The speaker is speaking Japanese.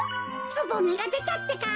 つぼみがでたってか。